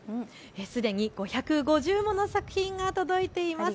すでに５５０もの作品が届いています。